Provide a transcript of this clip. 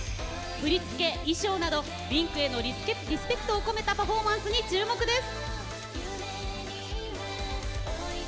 振り付け、衣装などＷｉｎｋのリスペクトを込めたパフォーマンスに注目です。